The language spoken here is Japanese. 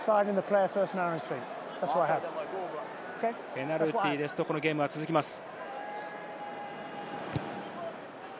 ペナルティーですと、このゲームは続きます。